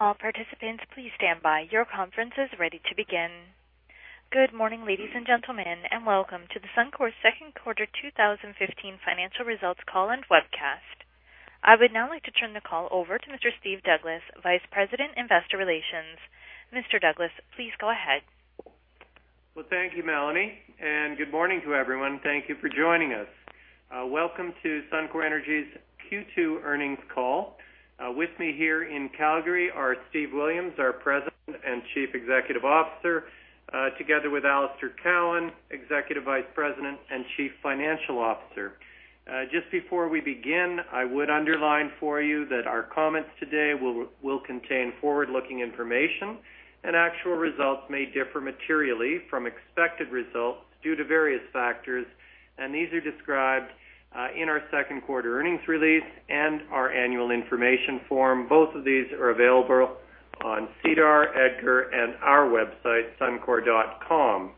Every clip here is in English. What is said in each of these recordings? All participants, please stand by. Your conference is ready to begin. Good morning, ladies and gentlemen, welcome to the Suncor Second Quarter 2015 Financial Results Call and Webcast. I would now like to turn the call over to Mr. Steve Douglas, Vice President, Investor Relations. Mr. Douglas, please go ahead. Well, thank you, Melanie, good morning to everyone. Thank you for joining us. Welcome to Suncor Energy's Q2 earnings call. With me here in Calgary are Steve Williams, our President and Chief Executive Officer, together with Alister Cowan, Executive Vice President and Chief Financial Officer. Just before we begin, I would underline for you that our comments today will contain forward-looking information, actual results may differ materially from expected results due to various factors, these are described in our second quarter earnings release and our annual information form. Both of these are available on SEDAR, EDGAR, and our website, suncor.com.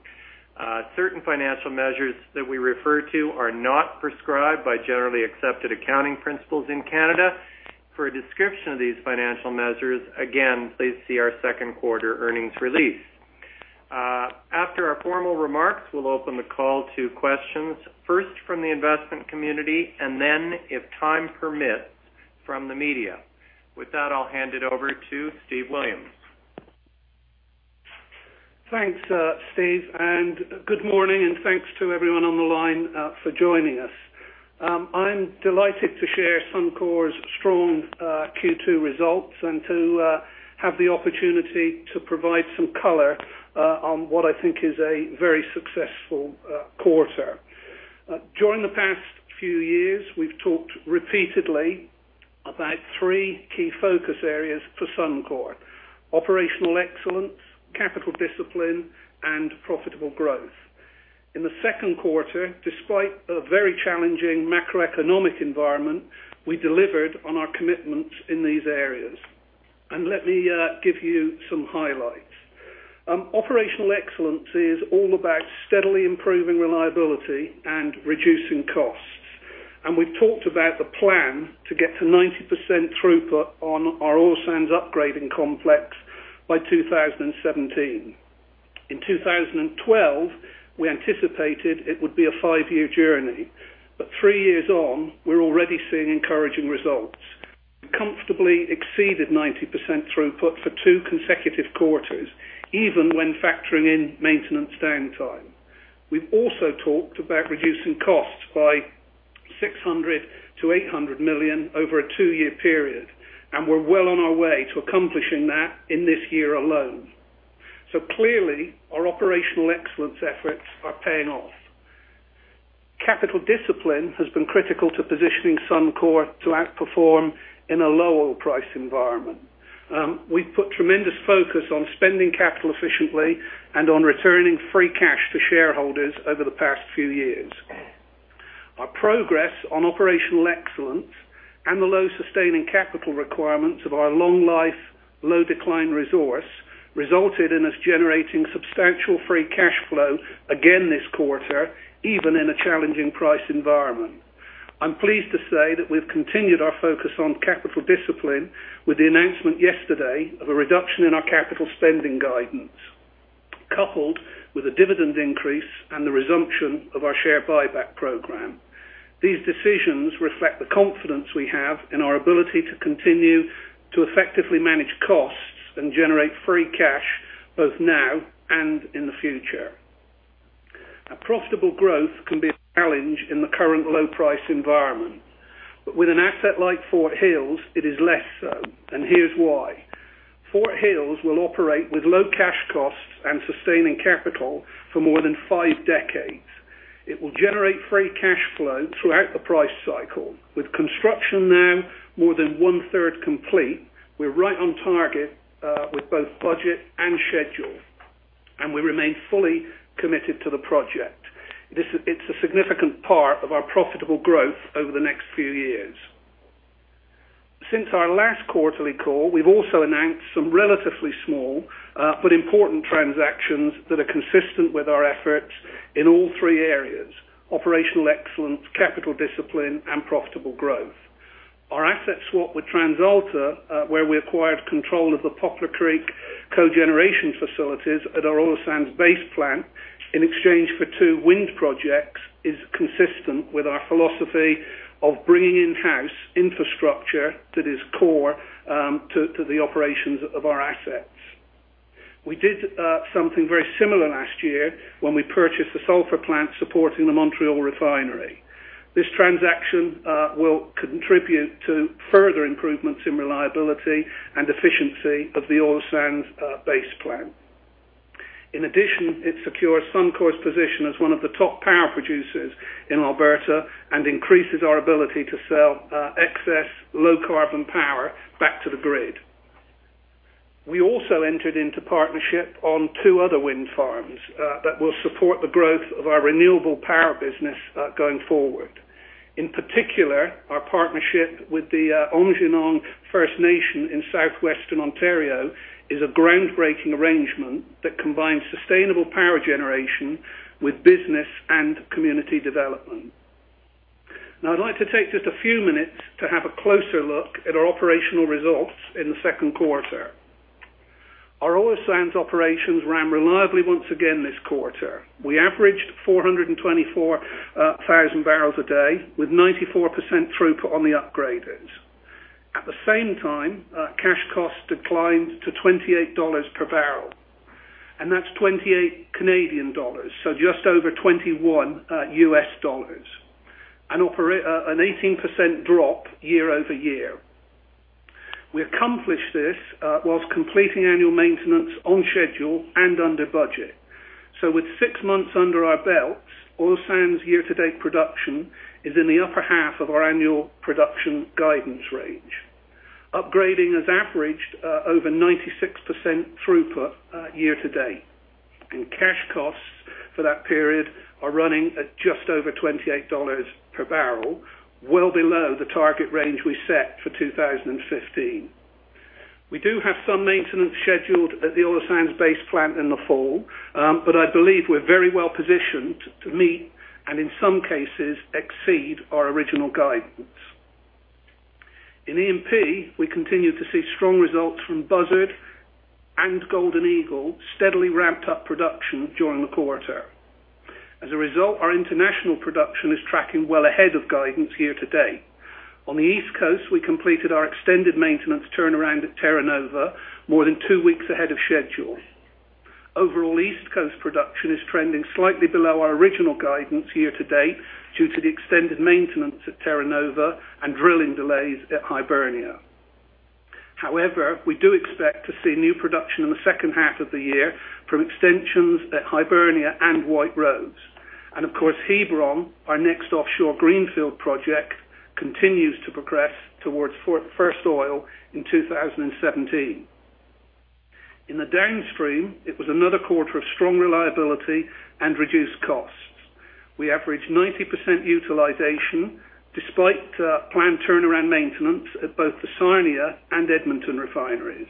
Certain financial measures that we refer to are not prescribed by generally accepted accounting principles in Canada. For a description of these financial measures, again, please see our second quarter earnings release. After our formal remarks, we'll open the call to questions, first from the investment community and then, if time permits, from the media. With that, I'll hand it over to Steve Williams. Thanks, Steve, good morning, thanks to everyone on the line for joining us. I'm delighted to share Suncor's strong Q2 results and to have the opportunity to provide some color on what I think is a very successful quarter. During the past few years, we've talked repeatedly about three key focus areas for Suncor: operational excellence, capital discipline, and profitable growth. In the second quarter, despite a very challenging macroeconomic environment, we delivered on our commitments in these areas. Let me give you some highlights. Operational excellence is all about steadily improving reliability and reducing costs. We've talked about the plan to get to 90% throughput on our oil sands upgrading complex by 2017. In 2012, we anticipated it would be a five-year journey. Three years on, we're already seeing encouraging results. We comfortably exceeded 90% throughput for two consecutive quarters, even when factoring in maintenance downtime. We've also talked about reducing costs by 600 million-800 million over a two-year period, and we're well on our way to accomplishing that in this year alone. Clearly, our operational excellence efforts are paying off. Capital discipline has been critical to positioning Suncor to outperform in a low oil price environment. We've put tremendous focus on spending capital efficiently and on returning free cash to shareholders over the past few years. Our progress on operational excellence and the low sustaining capital requirements of our long life, low decline resource resulted in us generating substantial free cash flow again this quarter, even in a challenging price environment. I'm pleased to say that we've continued our focus on capital discipline with the announcement yesterday of a reduction in our capital spending guidance, coupled with a dividend increase and the resumption of our share buyback program. These decisions reflect the confidence we have in our ability to continue to effectively manage costs and generate free cash both now and in the future. A profitable growth can be a challenge in the current low price environment. With an asset like Fort Hills, it is less so, and here's why. Fort Hills will operate with low cash costs and sustaining capital for more than five decades. It will generate free cash flow throughout the price cycle. With construction now more than one-third complete, we're right on target with both budget and schedule, and we remain fully committed to the project. It's a significant part of our profitable growth over the next few years. Since our last quarterly call, we've also announced some relatively small but important transactions that are consistent with our efforts in all three areas: operational excellence, capital discipline, and profitable growth. Our asset swap with TransAlta, where we acquired control of the Poplar Creek Cogeneration facilities at our Oil Sands Base plant in exchange for two wind projects, is consistent with our philosophy of bringing in-house infrastructure that is core to the operations of our assets. We did something very similar last year when we purchased the sulfur plant supporting the Montreal Refinery. This transaction will contribute to further improvements in reliability and efficiency of the Oil Sands Base plant. In addition, it secures Suncor's position as one of the top power producers in Alberta and increases our ability to sell excess low carbon power back to the grid. We also entered into partnership on two other wind farms that will support the growth of our renewable power business going forward. In particular, our partnership with the Aamjiwnaang First Nation in Southwestern Ontario is a groundbreaking arrangement that combines sustainable power generation with business and community development. I'd like to take just a few minutes to have a closer look at our operational results in the second quarter. Our Oil Sands operations ran reliably once again this quarter. We averaged 424,000 barrels a day with 94% throughput on the upgraders. At the same time, cash costs declined to 28 dollars per barrel, and that's 28 Canadian dollars, so just over US$21, an 18% drop year-over-year. We accomplished this whilst completing annual maintenance on schedule and under budget. With six months under our belts, Oil Sands year-to-date production is in the upper half of our annual production guidance range. Upgrading has averaged over 96% throughput year to date, and cash costs for that period are running at just over 28 dollars per barrel, well below the target range we set for 2015. We do have some maintenance scheduled at the Oil Sands base plant in the fall. I believe we're very well-positioned to meet, and in some cases exceed, our original guidance. In E&P, we continue to see strong results from Buzzard and Golden Eagle steadily ramped up production during the quarter. As a result, our international production is tracking well ahead of guidance year to date. On the East Coast, we completed our extended maintenance turnaround at Terra Nova more than two weeks ahead of schedule. Overall East Coast production is trending slightly below our original guidance year to date due to the extended maintenance at Terra Nova and drilling delays at Hibernia. However, we do expect to see new production in the second half of the year from extensions at Hibernia and White Rose. Of course, Hebron, our next offshore greenfield project, continues to progress towards first oil in 2017. In the Downstream, it was another quarter of strong reliability and reduced costs. We averaged 90% utilization despite planned turnaround maintenance at both the Sarnia and Edmonton refineries.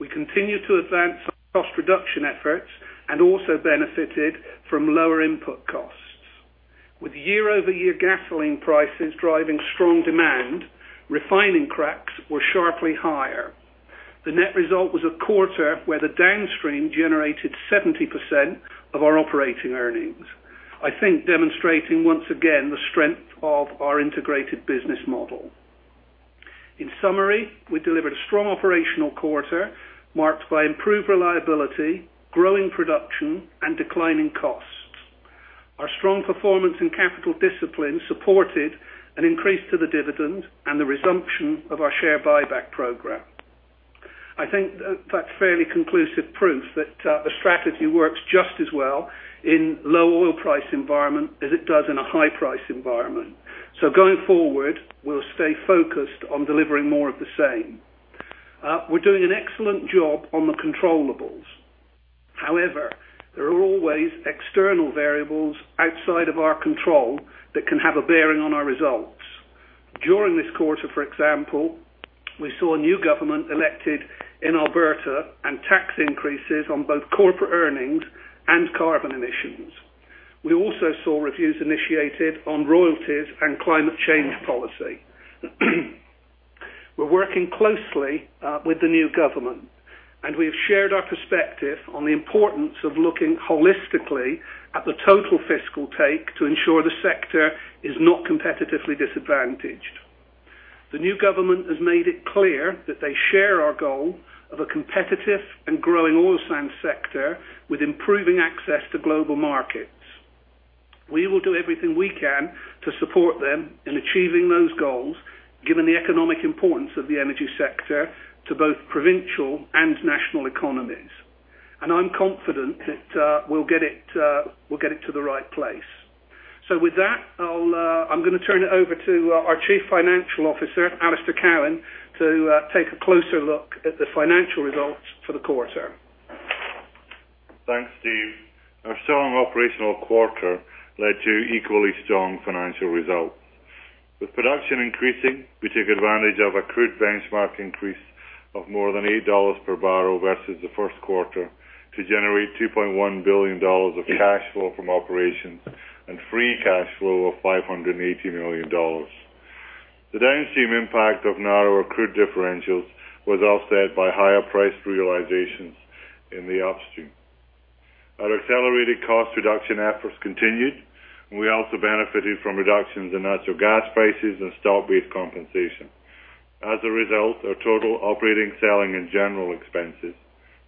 We continue to advance our cost reduction efforts and also benefited from lower input costs. With year-over-year gasoline prices driving strong demand, refining cracks were sharply higher. The net result was a quarter where the Downstream generated 70% of our operating earnings. I think demonstrating, once again, the strength of our integrated business model. In summary, we delivered a strong operational quarter marked by improved reliability, growing production, and declining costs. Our strong performance and capital discipline supported an increase to the dividend and the resumption of our share buyback program. I think that's fairly conclusive proof that the strategy works just as well in low oil price environment as it does in a high price environment. Going forward, we'll stay focused on delivering more of the same. We're doing an excellent job on the controllables. However, there are always external variables outside of our control that can have a bearing on our results. During this quarter, for example, we saw a new government elected in Alberta and tax increases on both corporate earnings and carbon emissions. We also saw reviews initiated on royalties and climate change policy. We're working closely with the new government, and we have shared our perspective on the importance of looking holistically at the total fiscal take to ensure the sector is not competitively disadvantaged. The new government has made it clear that they share our goal of a competitive and growing Oil Sands sector with improving access to global markets. We will do everything we can to support them in achieving those goals, given the economic importance of the energy sector to both provincial and national economies. I'm confident that we'll get it to the right place. With that, I am going to turn it over to our Chief Financial Officer, Alister Cowan, to take a closer look at the financial results for the quarter. Thanks, Steve. Our strong operational quarter led to equally strong financial results. With production increasing, we took advantage of a crude benchmark increase of more than 8 dollars per barrel versus the first quarter to generate 2.1 billion dollars of cash flow from operations and free cash flow of 580 million dollars. The Downstream impact of narrower crude differentials was offset by higher-priced realizations in the Upstream. Our accelerated cost reduction efforts continued, and we also benefited from reductions in natural gas prices and stock-based compensation. As a result, our total operating, selling, and general expenses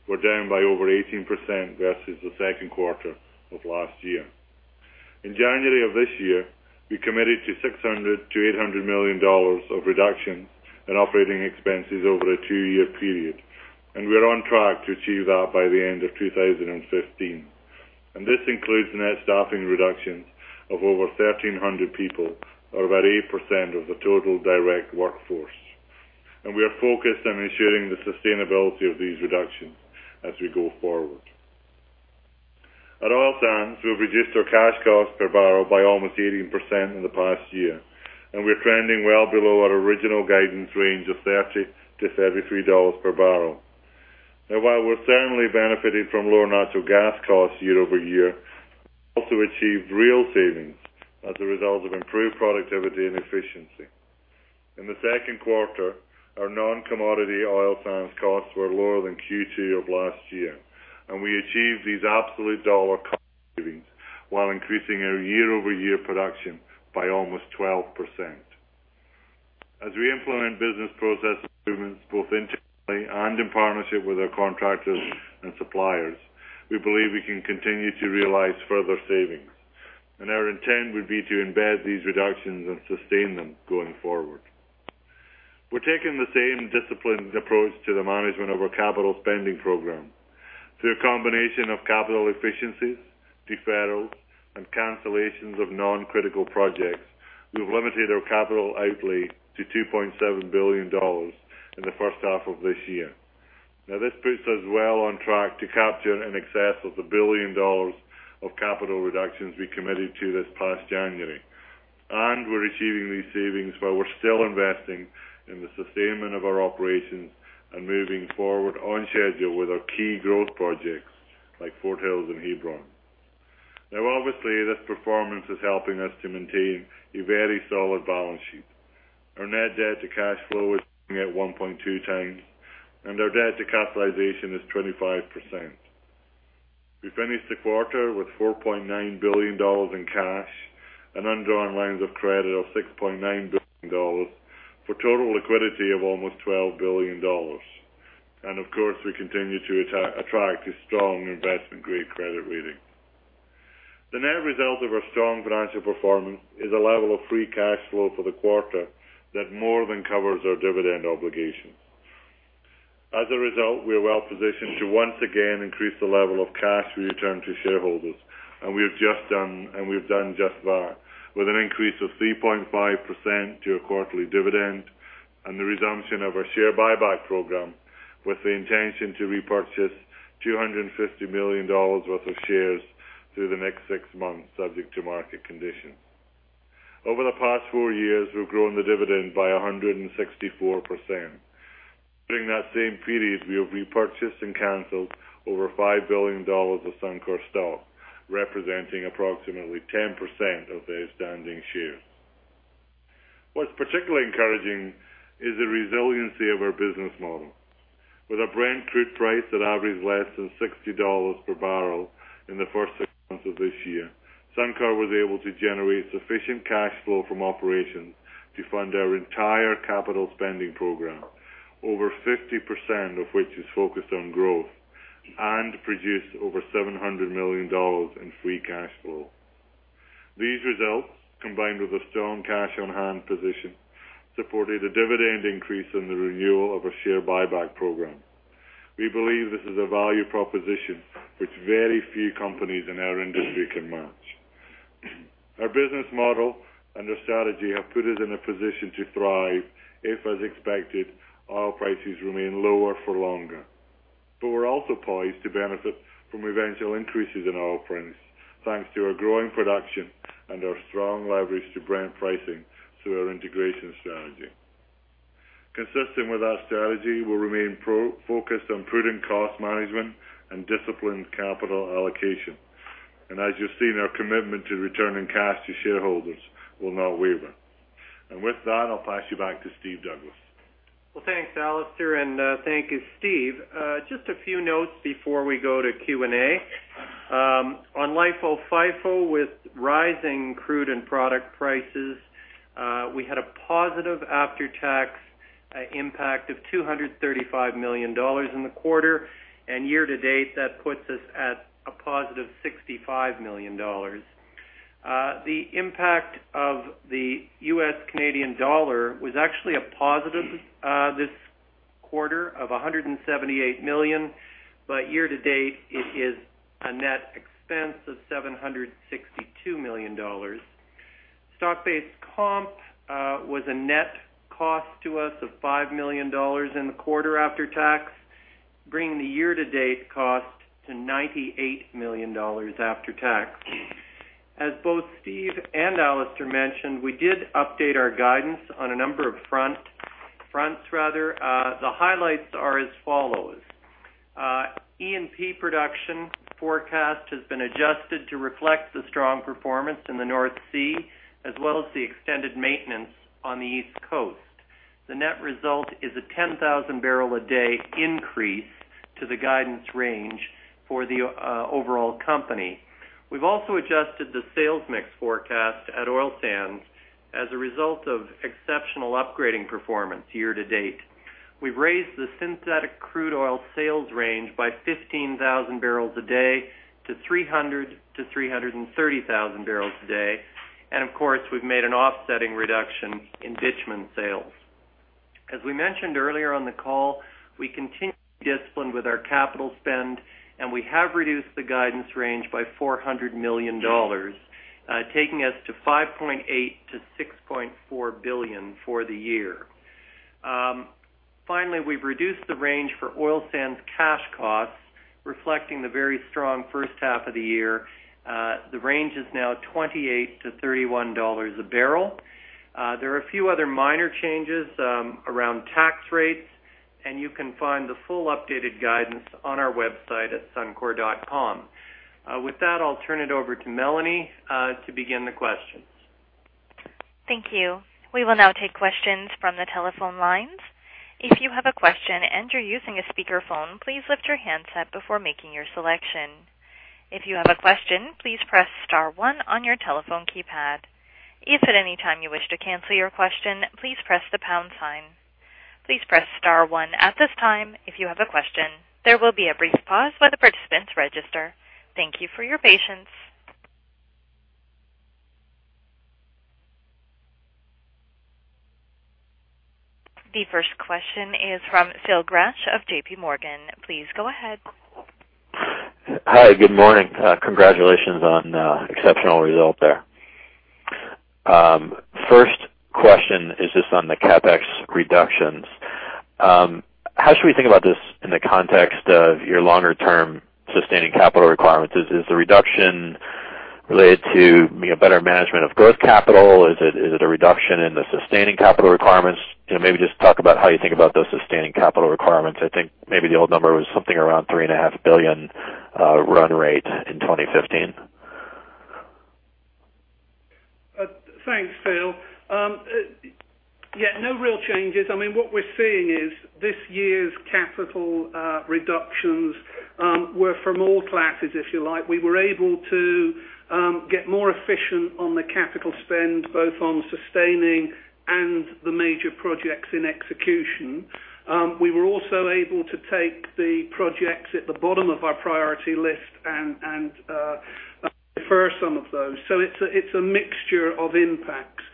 were down by over 18% versus the second quarter of last year. In January of this year, we committed to 600 million-800 million dollars of reductions in operating expenses over a two-year period, and we are on track to achieve that by the end of 2015. This includes net staffing reductions of over 1,300 people, or about 8% of the total direct workforce. We are focused on ensuring the sustainability of these reductions as we go forward. At Oil Sands, we have reduced our cash cost per barrel by almost 18% in the past year, and we are trending well below our original guidance range of 30-33 dollars per barrel. While we are certainly benefiting from lower natural gas costs year-over-year, we also achieved real savings as a result of improved productivity and efficiency. In the second quarter, our non-commodity oil sands costs were lower than Q2 of last year, and we achieved these absolute dollar cost savings while increasing our year-over-year production by almost 12%. As we implement business process improvements both internally and in partnership with our contractors and suppliers, we believe we can continue to realize further savings, and our intent would be to embed these reductions and sustain them going forward. We are taking the same disciplined approach to the management of our capital spending program. Through a combination of capital efficiencies, deferrals, and cancellations of non-critical projects, we have limited our capital outlay to 2.7 billion dollars in the first half of this year. This puts us well on track to capture in excess of 1 billion dollars of capital reductions we committed to this past January. We are achieving these savings while we are still investing in the sustainment of our operations and moving forward on schedule with our key growth projects like Fort Hills and Hebron. Obviously, this performance is helping us to maintain a very solid balance sheet. Our net debt to cash flow is sitting at 1.2 times, and our debt to capitalization is 25%. We finished the quarter with 4.9 billion dollars in cash and undrawn lines of credit of 6.9 billion dollars, for total liquidity of almost 12 billion dollars. Of course, we continue to attract a strong investment-grade credit rating. The net result of our strong financial performance is a level of free cash flow for the quarter that more than covers our dividend obligations. As a result, we are well-positioned to once again increase the level of cash we return to shareholders, and we've done just that with an increase of 3.5% to our quarterly dividend and the resumption of our share buyback program, with the intention to repurchase 250 million dollars worth of shares through the next 6 months, subject to market conditions. Over the past 4 years, we've grown the dividend by 164%. During that same period, we have repurchased and canceled over 5 billion dollars of Suncor stock, representing approximately 10% of the outstanding shares. What's particularly encouraging is the resiliency of our business model. With a Brent crude price that averaged less than 60 dollars per barrel in the first 6 months of this year, Suncor was able to generate sufficient cash flow from operations to fund our entire capital spending program, over 50% of which is focused on growth, and produce over 700 million dollars in free cash flow. These results, combined with a strong cash-on-hand position, supported a dividend increase in the renewal of our share buyback program. We believe this is a value proposition which very few companies in our industry can match. Our business model and our strategy have put us in a position to thrive if, as expected, oil prices remain lower for longer. We're also poised to benefit from eventual increases in oil price, thanks to our growing production and our strong leverage to Brent pricing through our integration strategy. Consistent with our strategy, we'll remain focused on prudent cost management and disciplined capital allocation. As you've seen, our commitment to returning cash to shareholders will not waver. With that, I'll pass you back to Steve Douglas. Well, thanks, Alister, and thank you, Steve. Just a few notes before we go to Q&A. On LIFO, FIFO, with rising crude and product prices, we had a positive after-tax impact of 235 million dollars in the quarter. Year-to-date, that puts us at a positive 65 million dollars. The impact of the U.S. Canadian dollar was actually a positive this quarter of 178 million, year-to-date it is a net expense of 762 million dollars. Stock-based comp was a net cost to us of 5 million dollars in the quarter after tax, bringing the year-to-date cost to 98 million dollars after tax. As both Steve and Alister mentioned, we did update our guidance on a number of fronts. The highlights are as follows. E&P production forecast has been adjusted to reflect the strong performance in the North Sea, as well as the extended maintenance on the East Coast. The net result is a 10,000-barrel-a-day increase to the guidance range for the overall company. We've also adjusted the sales mix forecast at Oil Sands as a result of exceptional upgrading performance year-to-date. We've raised the synthetic crude oil sales range by 15,000 barrels a day to 300,000 to 330,000 barrels a day. Of course, we've made an offsetting reduction in bitumen sales. As we mentioned earlier on the call, we continue to be disciplined with our capital spend. We have reduced the guidance range by 400 million dollars, taking us to 5.8 billion-6.4 billion for the year. Finally, we've reduced the range for Oil Sands' cash costs. Reflecting the very strong first half of the year, the range is now 28-31 dollars a barrel. There are a few other minor changes around tax rates. You can find the full updated guidance on our website at suncor.com. With that, I'll turn it over to Melanie to begin the questions. Thank you. We will now take questions from the telephone lines. If you have a question and you're using a speakerphone, please lift your handset before making your selection. If you have a question, please press star one on your telephone keypad. If at any time you wish to cancel your question, please press the pound sign. Please press star one at this time if you have a question. There will be a brief pause while the participants register. Thank you for your patience. The first question is from Phil Gresh of JPMorgan. Please go ahead. Hi, good morning. Congratulations on the exceptional result there. First question is just on the CapEx reductions. How should we think about this in the context of your longer-term sustaining capital requirements? Is the reduction related to a better management of growth capital? Is it a reduction in the sustaining capital requirements? Maybe just talk about how you think about those sustaining capital requirements. I think maybe the old number was something around 3.5 billion run rate in 2015. Thanks, Phil. Yeah, no real changes. What we're seeing is this year's capital reductions were from all classes, if you like. We were able to get more efficient on the capital spend, both on sustaining and the major projects in execution. We were also able to take the projects at the bottom of our priority list and defer some of those. It's a mixture of impacts.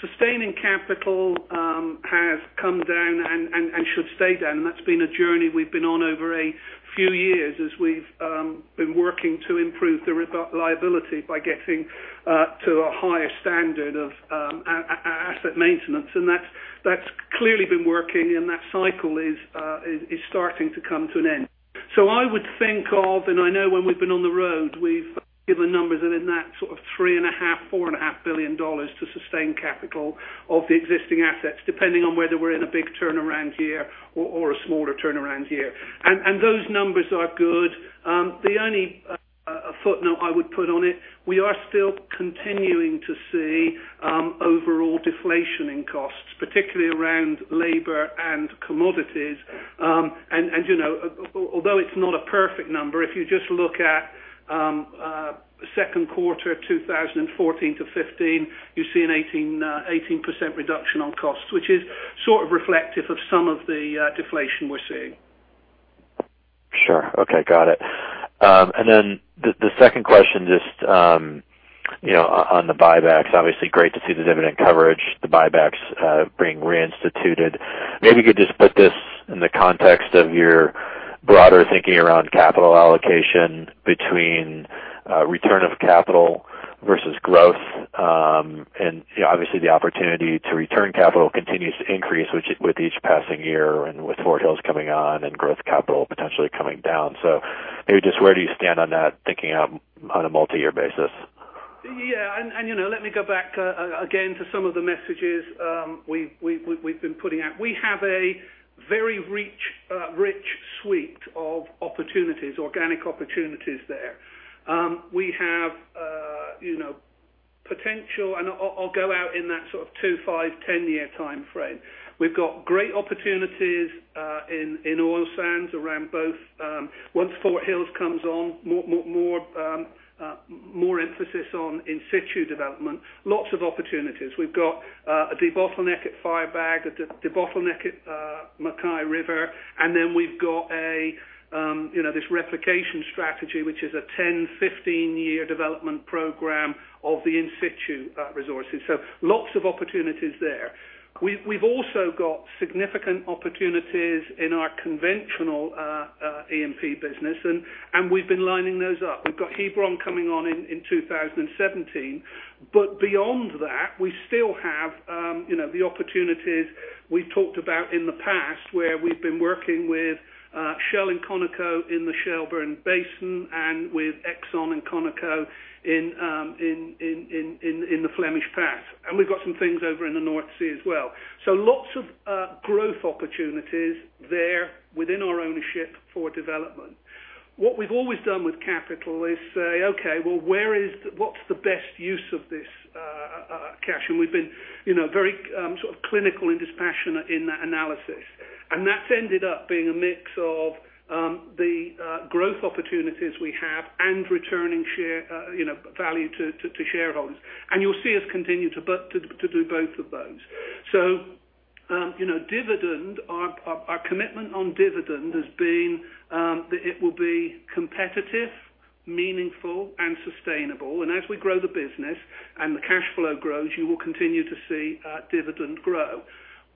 Sustaining capital has come down and should stay down. That's been a journey we've been on over a few years as we've been working to improve the liability by getting to a higher standard of asset maintenance. That's clearly been working, and that cycle is starting to come to an end. I would think of, and I know when we've been on the road, we've given numbers in that sort of 3.5 billion-4.5 billion dollars to sustain capital of the existing assets, depending on whether we're in a big turnaround year or a smaller turnaround year. Those numbers are good. The only footnote I would put on it, we are still continuing to see overall deflation in costs, particularly around labor and commodities. Although it's not a perfect number, if you just look at Q2 2014 to 2015, you see an 18% reduction on costs, which is sort of reflective of some of the deflation we're seeing. Sure. Okay, got it. Then the second question, just on the buybacks. Obviously, great to see the dividend coverage, the buybacks being reinstituted. Maybe you could just put this in the context of your broader thinking around capital allocation between return of capital versus growth. Obviously the opportunity to return capital continues to increase with each passing year and with Fort Hills coming on and growth capital potentially coming down. Maybe just where do you stand on that thinking on a multi-year basis? Yeah. Let me go back again to some of the messages we've been putting out. We have a very rich suite of opportunities, organic opportunities there. We have potential, I'll go out in that sort of two, five, 10-year timeframe. We've got great opportunities in oil sands around both. Once Fort Hills comes on, more emphasis on in-situ development. Lots of opportunities. We've got a bottleneck at Firebag, a bottleneck at MacKay River, then we've got this replication strategy, which is a 10, 15-year development program of the in-situ resources. Lots of opportunities there. We've also got significant opportunities in our conventional E&P business, we've been lining those up. We've got Hebron coming on in 2017. Beyond that, we still have the opportunities we've talked about in the past, where we've been working with Shell and ConocoPhillips in the Shelburne Basin and with ExxonMobil and ConocoPhillips in the Flemish Pass. We've got some things over in the North Sea as well. Lots of growth opportunities there within our ownership for development. What we've always done with capital is say, okay, what's the best use of this cash? We've been very clinical and dispassionate in that analysis. That's ended up being a mix of the growth opportunities we have and returning value to shareholders. You'll see us continue to do both of those. Our commitment on dividend has been that it will be competitive, meaningful, and sustainable. As we grow the business and the cash flow grows, you will continue to see dividend grow.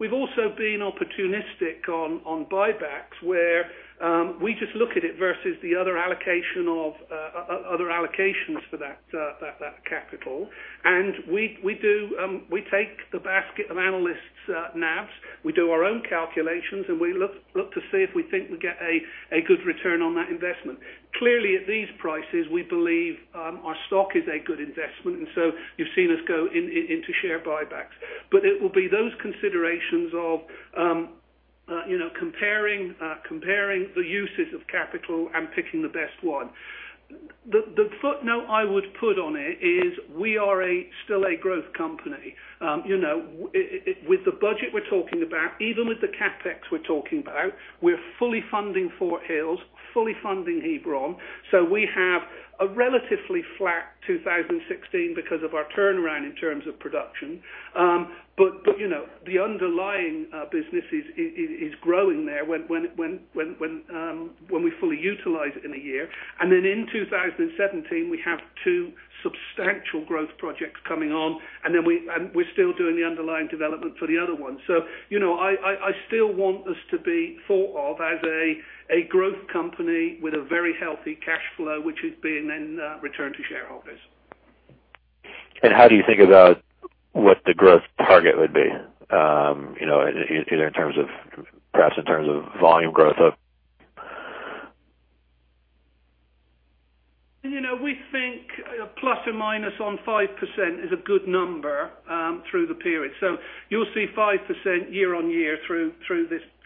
We've also been opportunistic on buybacks where we just look at it versus the other allocations for that capital. We take the basket of analysts' NAV. We do our own calculations, and we look to see if we think we get a good return on that investment. Clearly, at these prices, we believe our stock is a good investment, you've seen us go into share buybacks. It will be those considerations of comparing the uses of capital and picking the best one. The footnote I would put on it is we are still a growth company. With the budget we're talking about, even with the CapEx we're talking about, we're fully funding Fort Hills, fully funding Hebron. We have a relatively flat 2016 because of our turnaround in terms of production. The underlying business is growing there when we fully utilize it in a year. In 2017, we have two substantial growth projects coming on, we're still doing the underlying development for the other one. I still want us to be thought of as a growth company with a very healthy cash flow, which is being then returned to shareholders. How do you think about what the growth target would be, perhaps in terms of volume growth of We think plus or minus on 5% is a good number through the period. You'll see 5% year-over-year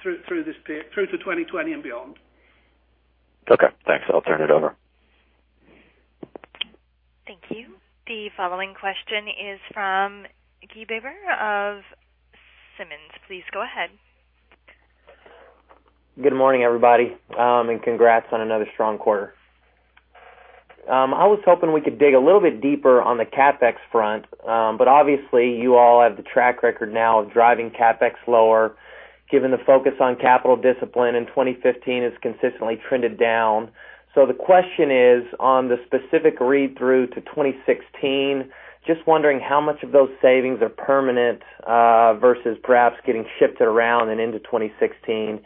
through to 2020 and beyond. Okay, thanks. I'll turn it over. Thank you. The following question is from Guy Baber of Simmons. Please go ahead. Good morning, everybody, and congrats on another strong quarter. I was hoping we could dig a little bit deeper on the CapEx front. Obviously you all have the track record now of driving CapEx lower, given the focus on capital discipline in 2015 has consistently trended down. The question is, on the specific read-through to 2016, just wondering how much of those savings are permanent versus perhaps getting shifted around and into 2016.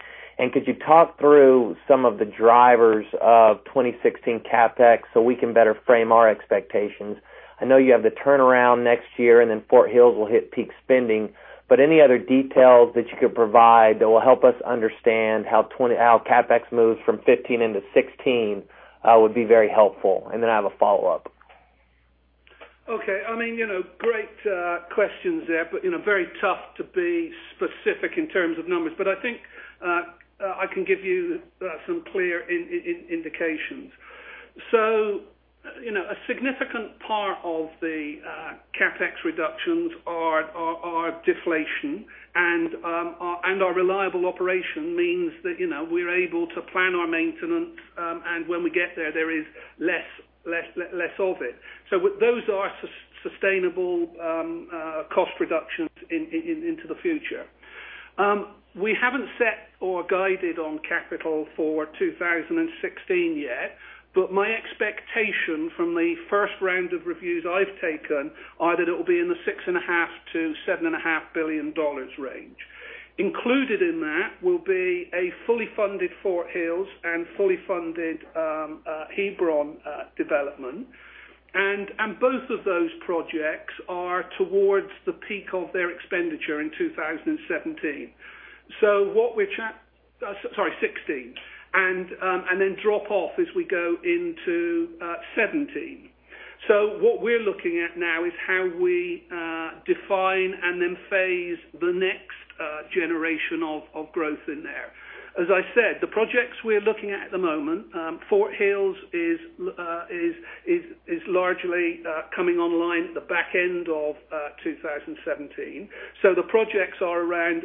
Could you talk through some of the drivers of 2016 CapEx so we can better frame our expectations? I know you have the turnaround next year, then Fort Hills will hit peak spending, but any other details that you could provide that will help us understand how CapEx moves from 2015 into 2016 would be very helpful. Then I have a follow-up. Okay. Great questions there, but very tough to be specific in terms of numbers. I think I can give you some clear indications. A significant part of the CapEx reductions are deflation. Our reliable operation means that we're able to plan our maintenance, and when we get there is less of it. Those are sustainable cost reductions into the future. We haven't set or guided on capital for 2016 yet, but my expectation from the first round of reviews I've taken are that it will be in the 6.5 billion-7.5 billion dollars range. Included in that will be a fully funded Fort Hills and fully funded Hebron development. Both of those projects are towards the peak of their expenditure in 2017. What we're Sorry, 2016. Then drop off as we go into 2017. What we're looking at now is how we define and then phase the next generation of growth in there. As I said, the projects we're looking at the moment, Fort Hills is largely coming online at the back end of 2017. The projects are around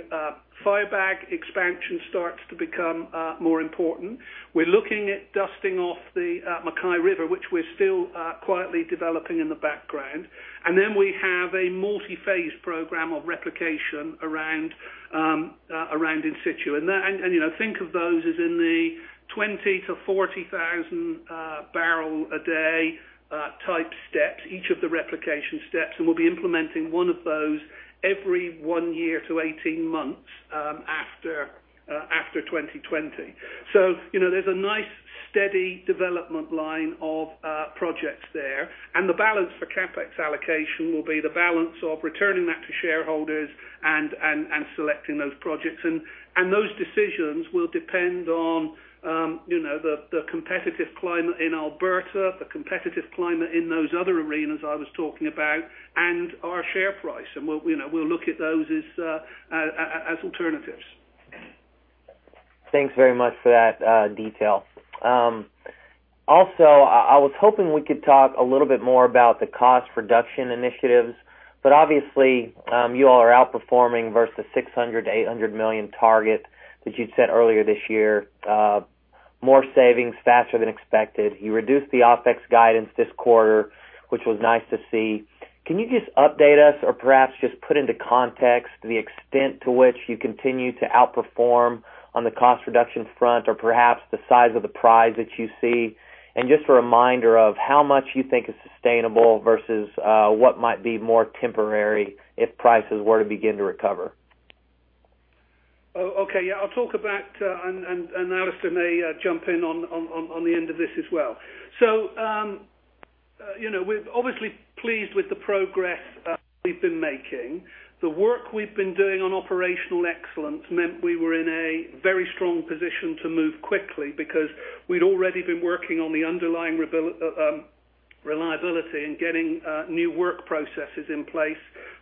Firebag expansion starts to become more important. We're looking at dusting off the MacKay River, which we're still quietly developing in the background. Then we have a multi-phase program of replication around in situ. Think of those as in the 20,000 to 40,000 barrel a day type steps, each of the replication steps, and we'll be implementing one of those every one year to 18 months after 2020. There's a nice steady development line of projects there. The balance for CapEx allocation will be the balance of returning that to shareholders and selecting those projects. Those decisions will depend on the competitive climate in Alberta, the competitive climate in those other arenas I was talking about, and our share price. We'll look at those as alternatives. Thanks very much for that detail. Also, I was hoping we could talk a little bit more about the cost reduction initiatives, obviously you all are outperforming versus 600 million-800 million target that you'd set earlier this year. More savings faster than expected. You reduced the OpEx guidance this quarter, which was nice to see. Can you just update us or perhaps just put into context the extent to which you continue to outperform on the cost reduction front or perhaps the size of the prize that you see? Just a reminder of how much you think is sustainable versus what might be more temporary if prices were to begin to recover. Okay. Yeah. I'll talk about, and Alister may jump in on the end of this as well. We're obviously pleased with the progress we've been making. The work we've been doing on operational excellence meant we were in a very strong position to move quickly because we'd already been working on the underlying reliability and getting new work processes in place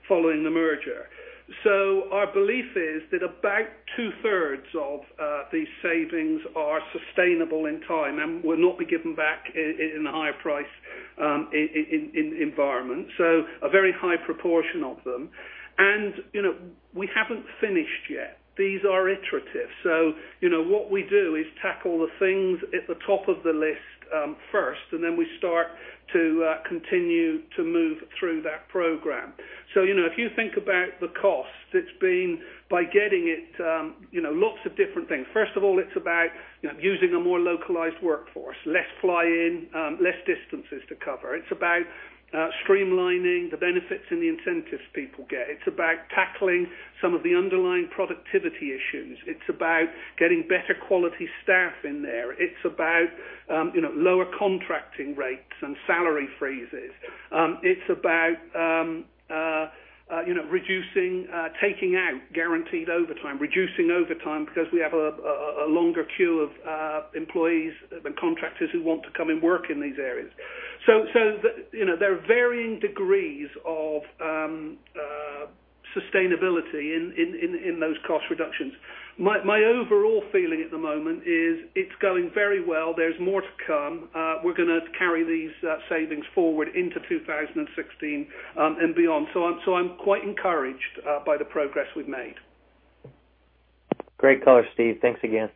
following the merger. Our belief is that about two-thirds of these savings are sustainable in time and will not be given back in a higher price environment. A very high proportion of them. We haven't finished yet. These are iterative. What we do is tackle the things at the top of the list first, and then we start to continue to move through that program. If you think about the costs, it's been by getting it, lots of different things. First of all, it's about using a more localized workforce, less fly in, less distances to cover. It's about streamlining the benefits and the incentives people get. It's about tackling some of the underlying productivity issues. It's about getting better quality staff in there. It's about lower contracting rates and salary freezes. It's about taking out guaranteed overtime, reducing overtime because we have a longer queue of employees and contractors who want to come and work in these areas. There are varying degrees of sustainability in those cost reductions. My overall feeling at the moment is it's going very well. There's more to come. We're going to carry these savings forward into 2016, and beyond. I'm quite encouraged by the progress we've made. Great color, Steve. Thanks again.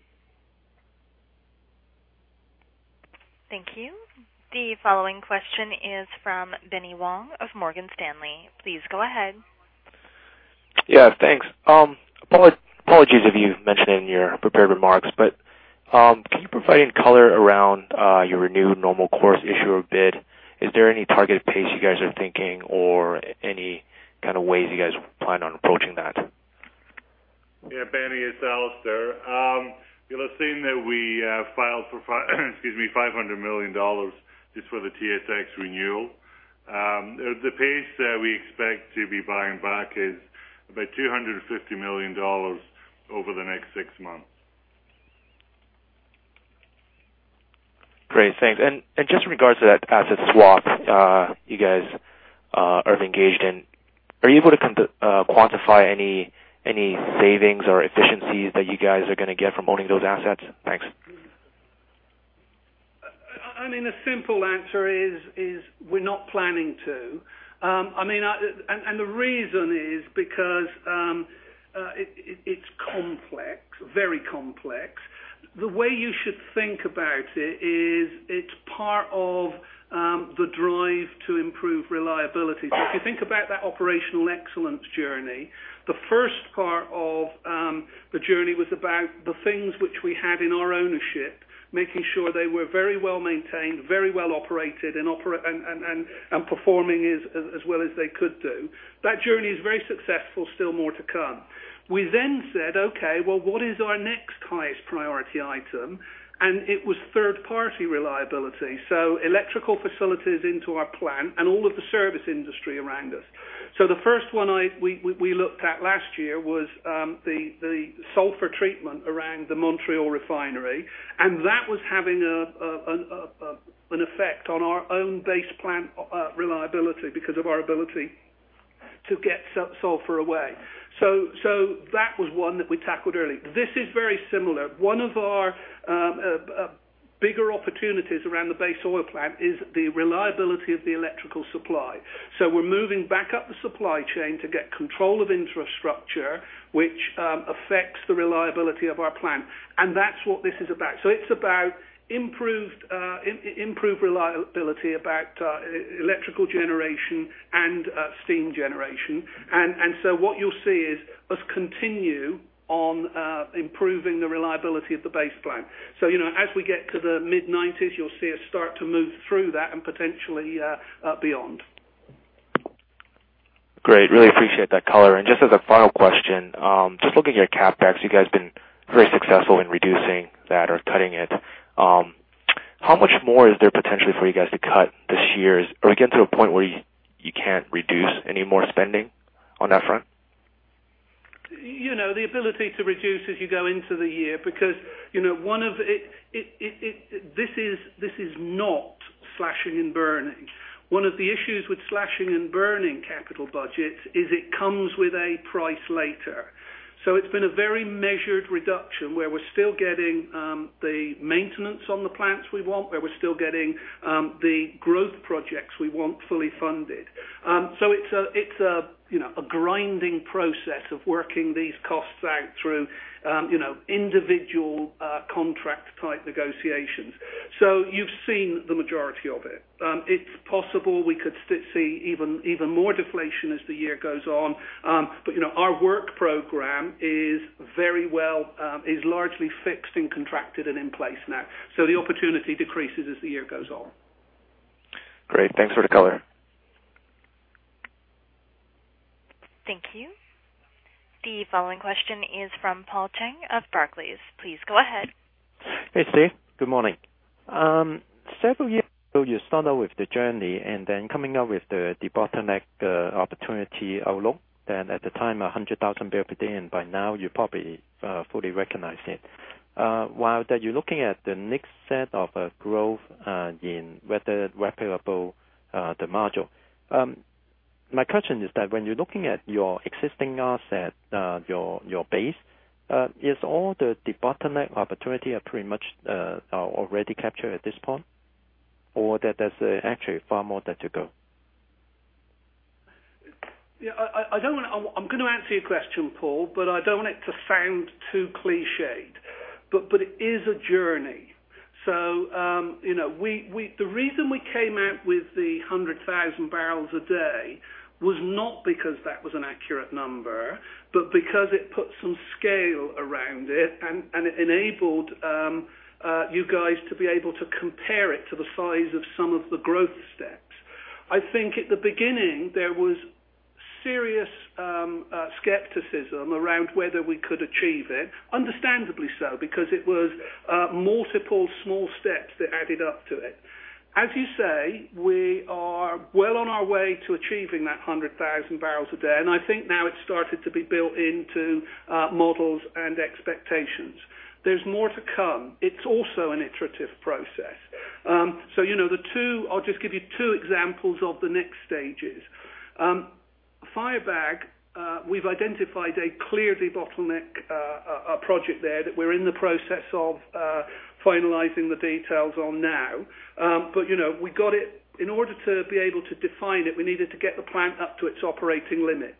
Thank you. The following question is from Benny Wong of Morgan Stanley. Please go ahead. Yeah, thanks. Apologies if you've mentioned in your prepared remarks, can you provide any color around your renewed normal course issuer bid? Is there any targeted pace you guys are thinking or any kind of ways you guys plan on approaching that? Yeah, Benny, it's Alister. You'll have seen that we filed for, excuse me, 500 million dollars just for the TSX renewal. The pace that we expect to be buying back is about 250 million dollars over the next six months. Great, thanks. Just in regards to that asset swap you guys are engaged in, are you able to quantify any savings or efficiencies that you guys are going to get from owning those assets? Thanks. The simple answer is we're not planning to. The reason is because it's complex, very complex. The way you should think about it is it's part of the drive to improve reliability. If you think about that operational excellence journey, the first part of the journey was about the things which we had in our ownership, making sure they were very well-maintained, very well-operated, and performing as well as they could do. That journey is very successful, still more to come. We said, "Okay, well, what is our next highest priority item?" It was third-party reliability. Electrical facilities into our plant and all of the service industry around us. The first one we looked at last year was the sulfur treatment around the Montreal Refinery, and that was having an effect on our own base plant reliability because of our ability to get sulfur away. That was one that we tackled early. This is very similar. One of our bigger opportunities around the base oil plant is the reliability of the electrical supply. We're moving back up the supply chain to get control of infrastructure, which affects the reliability of our plant, and that's what this is about. It's about improved reliability, about electrical generation and steam generation. What you'll see is us continue on improving the reliability of the base plant. As we get to the mid-'90s, you'll see us start to move through that and potentially beyond. Great. Really appreciate that color. Just as a final question, just looking at CapEx, you guys have been very successful in reducing that or cutting it. How much more is there potentially for you guys to cut this year? Or are we getting to a point where you can't reduce any more spending on that front? The ability to reduce as you go into the year, because this is not slashing and burning. One of the issues with slashing and burning capital budgets is it comes with a price later. It's been a very measured reduction where we're still getting the maintenance on the plants we want, where we're still getting the growth projects we want fully funded. It's a grinding process of working these costs out through individual contract-type negotiations. You've seen the majority of it. It's possible we could see even more deflation as the year goes on. Our work program is largely fixed and contracted and in place now. The opportunity decreases as the year goes on. Great. Thanks for the color. The following question is from Paul Cheng of Barclays. Please go ahead. Hey, Steve. Good morning. Several years ago, you started with the journey. Then coming up with the bottleneck opportunity outlook, at the time, 100,000 barrels per day, by now you probably fully recognize it. While you're looking at the next set of growth in whether replicable the module. My question is that when you're looking at your existing asset, your base, is all the bottleneck opportunity are pretty much already captured at this point? Or there's actually far more there to go? Yeah. I'm going to answer your question, Paul, I don't want it to sound too clichéd. It is a journey. The reason we came out with the 100,000 barrels a day was not because that was an accurate number, but because it put some scale around it enabled you guys to be able to compare it to the size of some of the growth steps. I think at the beginning, there was serious skepticism around whether we could achieve it. Understandably so, because it was multiple small steps that added up to it. As you say, we are well on our way to achieving that 100,000 barrels a day, I think now it's started to be built into models and expectations. There's more to come. It's also an iterative process. I'll just give you two examples of the next stages. Firebag, we've identified a clear bottleneck project there that we're in the process of finalizing the details on now. In order to be able to define it, we needed to get the plant up to its operating limits.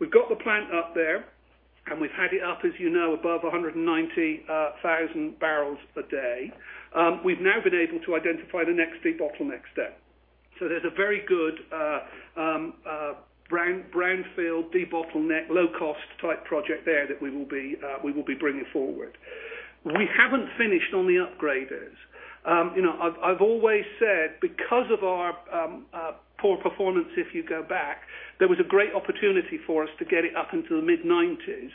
We've got the plant up there, we've had it up, as you know, above 190,000 barrels a day. We've now been able to identify the next deep bottleneck step. There's a very good brownfield, deep bottleneck, low cost-type project there that we will be bringing forward. We haven't finished on the upgraders. I've always said because of our poor performance, if you go back, there was a great opportunity for us to get it up into the mid-nineties.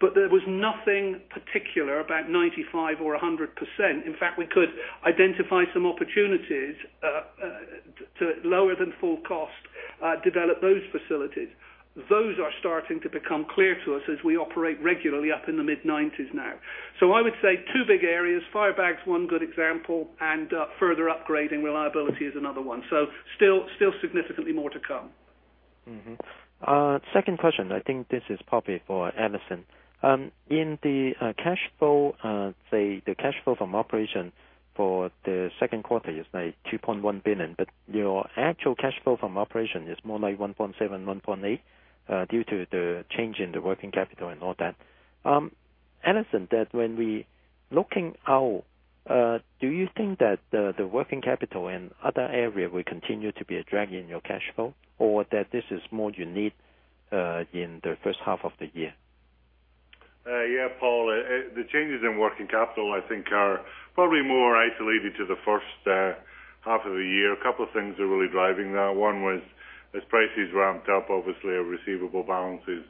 There was nothing particular about 95% or 100%. In fact, we could identify some opportunities to lower than full cost, develop those facilities. Those are starting to become clear to us as we operate regularly up in the mid-90s now. I would say two big areas, Firebag is one good example, and further upgrading reliability is another one. Still significantly more to come. Second question. I think this is probably for Alister. In the cash flow, say, the cash flow from operations for the second quarter is like 2.1 billion, but your actual cash flow from operations is more like 1.7 billion, 1.8 billion due to the change in the working capital and all that. Alister, that when we looking out, do you think that the working capital and other area will continue to be a drag in your cash flow? This is more unique in the first half of the year? Yeah, Paul Cheng, the changes in working capital, I think, are probably more isolated to the first half of the year. A couple of things are really driving that. One was, as prices ramped up, obviously our receivable balances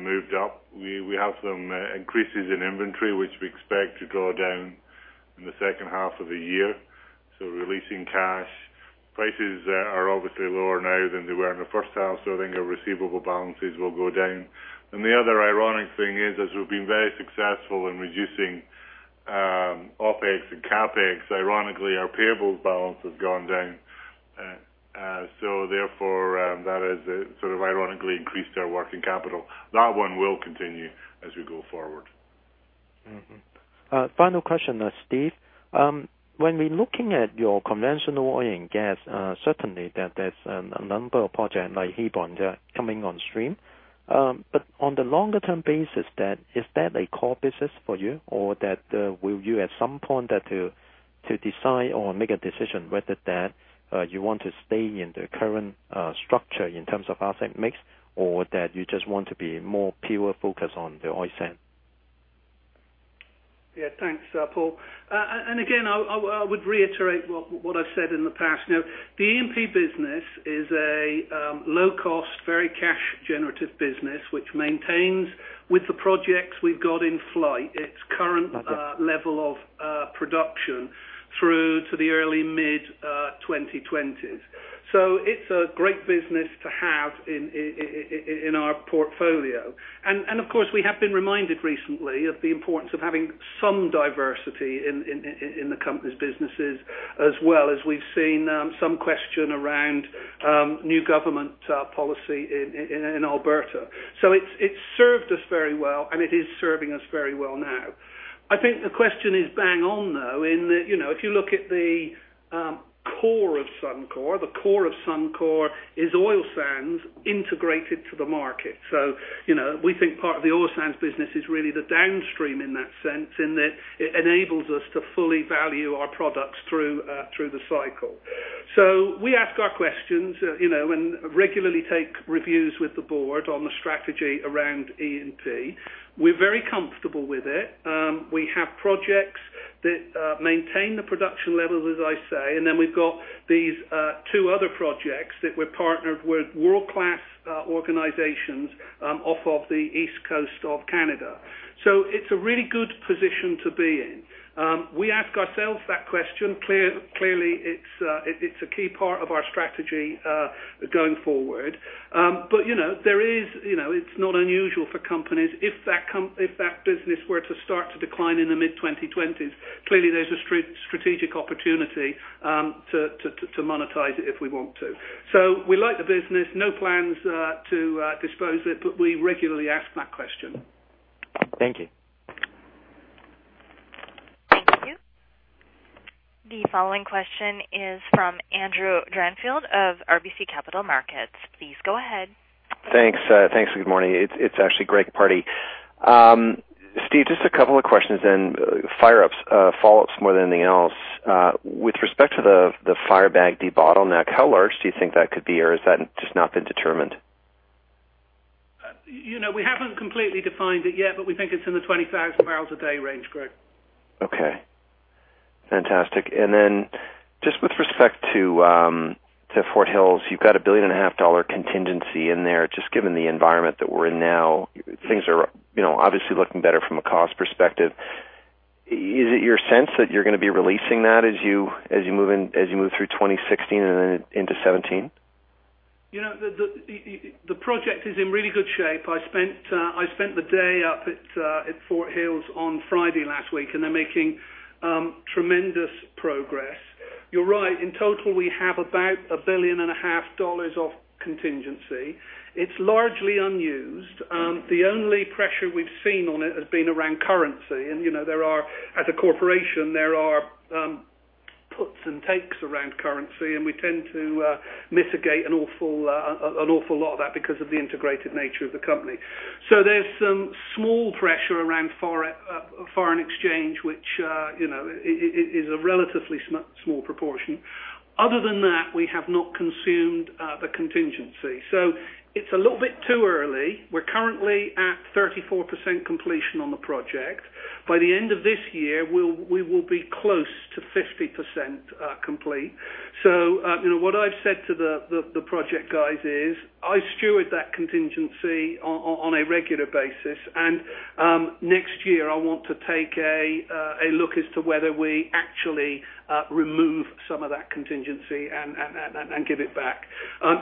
moved up. We have some increases in inventory, which we expect to go down in the second half of the year, so releasing cash. Prices are obviously lower now than they were in the first half, I think our receivable balances will go down. Then the other ironic thing is, as we've been very successful in reducing OpEx and CapEx, ironically, our payables balance has gone down. Therefore, that has sort of ironically increased our working capital. That one will continue as we go forward. Final question, Steve. When we're looking at your conventional oil and gas, certainly that there's a number of projects like Hebron that are coming on stream. On the longer-term basis, is that a core business for you? Will you at some point have to decide or make a decision whether that you want to stay in the current structure in terms of asset mix, or that you just want to be more pure focused on the oil sands? Yeah. Thanks, Paul. Again, I would reiterate what I've said in the past. The E&P business is a low-cost, very cash-generative business which maintains with the projects we've got in flight, its current- Okay level of production through to the early mid 2020s. It's a great business to have in our portfolio. Of course, we have been reminded recently of the importance of having some diversity in the company's businesses as well as we've seen some question around new government policy in Alberta. It's served us very well, and it is serving us very well now. I think the question is bang on, though, in that if you look at the core of Suncor, the core of Suncor is oil sands integrated to the market. We think part of the oil sands business is really the downstream in that sense, in that it enables us to fully value our products through the cycle. We ask our questions, and regularly take reviews with the board on the strategy around E&P We're very comfortable with it. We have projects that maintain the production levels, as I say, and then we've got these two other projects that we're partnered with world-class organizations off of the East Coast of Canada. It's a really good position to be in. We ask ourselves that question. Clearly, it's a key part of our strategy, going forward. It's not unusual for companies, if that business were to start to decline in the mid-2020s, clearly there's a strategic opportunity to monetize it if we want to. We like the business. No plans to dispose it, but we regularly ask that question. Thank you. Thank you. The following question is from Andrew Dranfield of RBC Capital Markets. Please go ahead. Thanks. Good morning. It is actually Greg Pardy. Steve, just a couple of questions then. Follow-ups more than anything else. With respect to the Firebag debottleneck, how large do you think that could be or has that just not been determined? We haven't completely defined it yet, but we think it's in the 20,000 barrels a day range, Greg. Okay. Fantastic. Then just with respect to Fort Hills, you've got a billion and a half CAD dollar contingency in there, just given the environment that we're in now. Things are obviously looking better from a cost perspective. Is it your sense that you're going to be releasing that as you move through 2016 and then into 2017? The project is in really good shape. I spent the day up at Fort Hills on Friday last week, they're making tremendous progress. You're right. In total, we have about a billion and a half CAD of contingency. It's largely unused. The only pressure we've seen on it has been around currency. As a corporation, there are puts and takes around currency, and we tend to mitigate an awful lot of that because of the integrated nature of the company. There's some small pressure around foreign exchange, which is a relatively small proportion. Other than that, we have not consumed the contingency. It's a little bit too early. We're currently at 34% completion on the project. By the end of this year, we will be close to 50% complete. What I've said to the project guys is, I steward that contingency on a regular basis, and next year, I want to take a look as to whether we actually remove some of that contingency and give it back.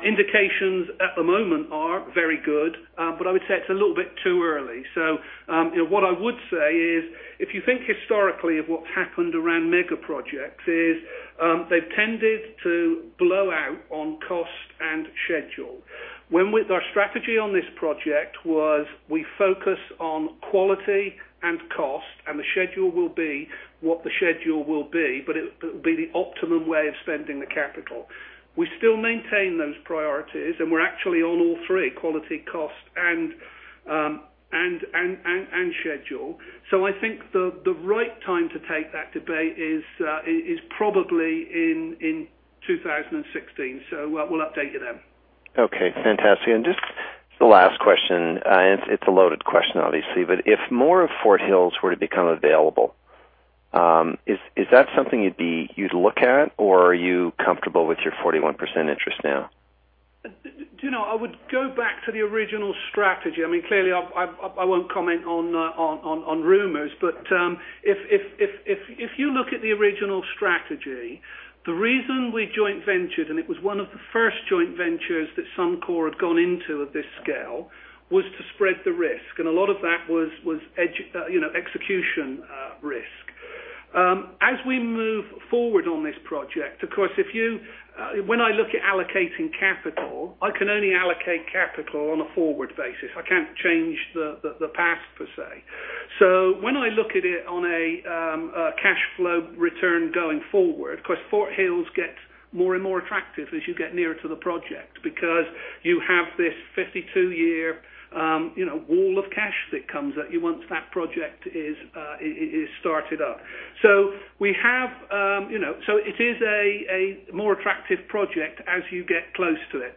Indications at the moment are very good. I would say it's a little bit too early. What I would say is, if you think historically of what's happened around mega projects is, they've tended to blow out on cost and schedule. When with our strategy on this project was we focus on quality and cost, and the schedule will be what the schedule will be, but it will be the optimum way of spending the capital. We still maintain those priorities, and we're actually on all three, quality, cost, and schedule. I think the right time to take that debate is probably in 2016. We'll update you then. Okay. Fantastic. Just the last question, it's a loaded question, obviously, but if more of Fort Hills were to become available, is that something you'd look at, or are you comfortable with your 41% interest now? I would go back to the original strategy. Clearly, I won't comment on rumors, but if you look at the original strategy, the reason we joint ventured, and it was one of the first joint ventures that Suncor had gone into of this scale, was to spread the risk, and a lot of that was execution risk. As we move forward on this project, of course, when I look at allocating capital, I can only allocate capital on a forward basis. I can't change the past, per se. When I look at it on a cash flow return going forward, of course, Fort Hills gets more and more attractive as you get nearer to the project because you have this 52-year wall of cash that comes at you once that project is started up. It is a more attractive project as you get close to it.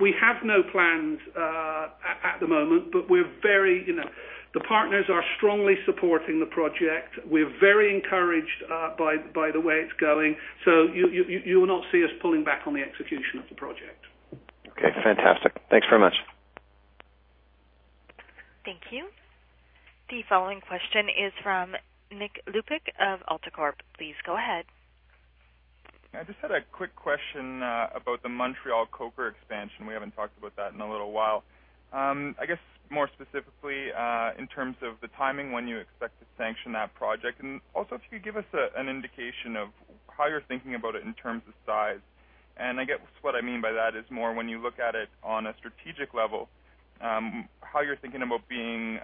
We have no plans at the moment, but the partners are strongly supporting the project. We're very encouraged by the way it's going. You will not see us pulling back on the execution of the project. Okay. Fantastic. Thanks very much. Thank you. The following question is from Nick Lupick of AltaCorp. Please go ahead. I just had a quick question about the Montreal coker expansion. We haven't talked about that in a little while. I guess more specifically, in terms of the timing, when you expect to sanction that project. Also, if you could give us an indication of how you're thinking about it in terms of size. I guess what I mean by that is more when you look at it on a strategic level, how you're thinking about being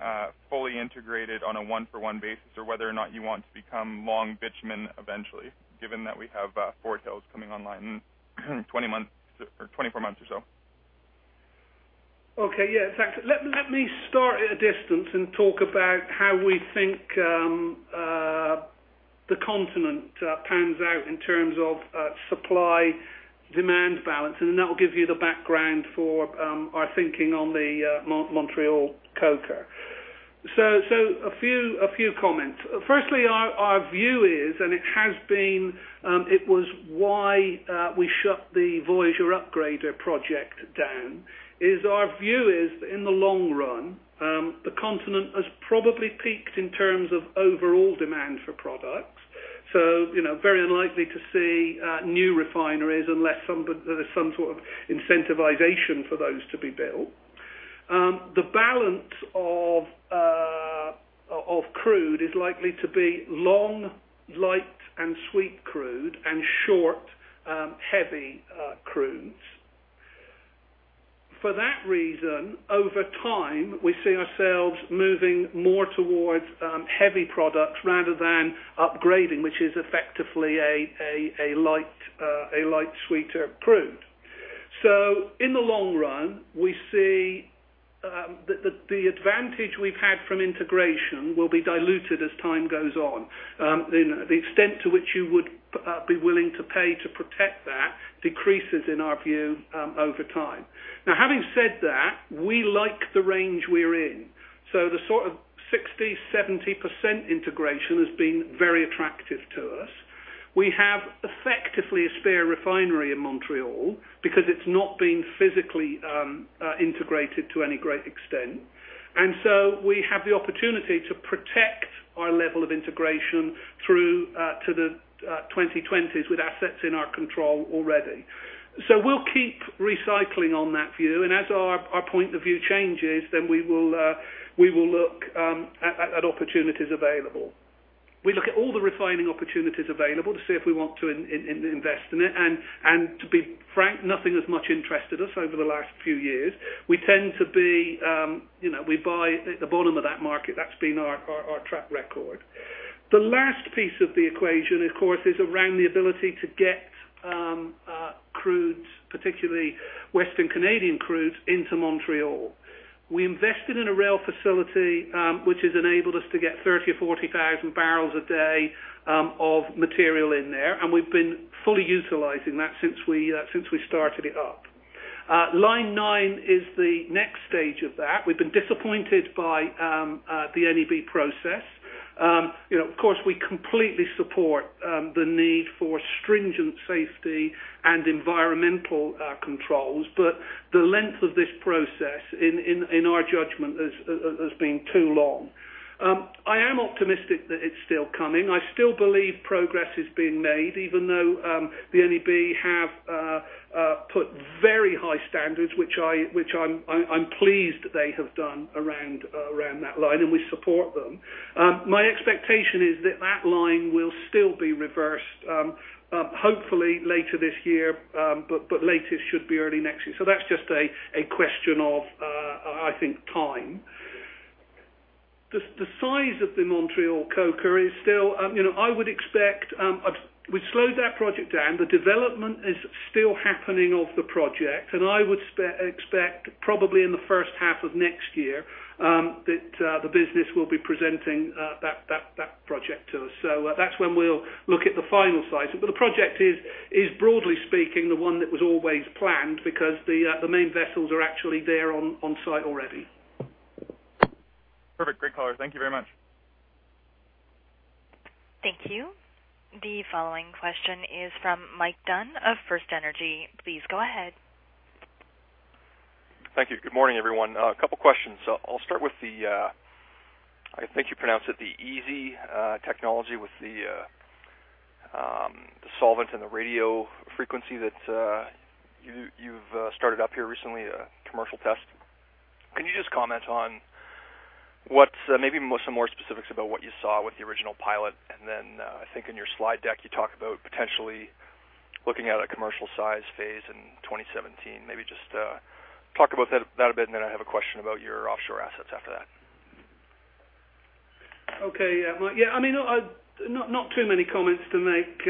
fully integrated on a one-for-one basis or whether or not you want to become long bitumen eventually, given that we have Fort Hills coming online in 24 months or so. Okay. Yeah. Let me start at a distance and talk about how we think the continent pans out in terms of supply-demand balance. That will give you the background for our thinking on the Montreal coker. A few comments. Our view is, and it has been, it was why we shut the Voyageur Upgrader project down, our view is that in the long run, the continent has probably peaked in terms of overall demand for products. Very unlikely to see new refineries unless there's some sort of incentivization for those to be built. The balance of crude is likely to be long, light, and sweet crude and short, heavy crudes. Over time, we see ourselves moving more towards heavy products rather than upgrading, which is effectively a light, sweeter crude. In the long run, we see that the advantage we've had from integration will be diluted as time goes on. The extent to which you would be willing to pay to protect that decreases in our view over time. Having said that, we like the range we're in. The sort of 60%-70% integration has been very attractive to us. We have effectively a spare refinery in Montreal because it's not been physically integrated to any great extent. We have the opportunity to protect our level of integration through to the 2020s with assets in our control already. We'll keep recycling on that view. As our point of view changes, then we will look at opportunities available. We look at all the refining opportunities available to see if we want to invest in it. To be frank, nothing has much interested us over the last few years. We tend to buy at the bottom of that market. That's been our track record. The last piece of the equation, of course, is around the ability to get crudes, particularly Western Canadian crudes, into Montreal. We invested in a rail facility, which has enabled us to get 30,000 or 40,000 barrels a day of material in there. We've been fully utilizing that since we started it up. Line 9 is the next stage of that. We've been disappointed by the NEB process. We completely support the need for stringent safety and environmental controls, but the length of this process, in our judgment, has been too long. I am optimistic that it's still coming. I still believe progress is being made, even though the NEB have put very high standards, which I'm pleased they have done around that line, and we support them. My expectation is that that line will still be reversed, hopefully later this year, but latest should be early next year. That's just a question of, I think, time. The size of the Montreal coker, I would expect, we slowed that project down. The development is still happening of the project, and I would expect probably in the first half of next year that the business will be presenting that project to us. That's when we'll look at the final site. The project is, broadly speaking, the one that was always planned because the main vessels are actually there on-site already. Perfect. Great, color. Thank you very much. Thank you. The following question is from Mike Dunn of FirstEnergy Capital. Please go ahead. Thank you. Good morning, everyone. A couple of questions. I'll start with the, I think you pronounce it, the ESEIEH technology with the solvent and the radio frequency that you've started up here recently, a commercial test. Can you just comment on what, maybe some more specifics about what you saw with the original pilot? I think in your slide deck, you talked about potentially looking at a commercial size phase in 2017. Maybe just talk about that a bit, and then I have a question about your offshore assets after that. Okay, yeah. Mike. Not too many comments to make,